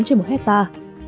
trên một hectare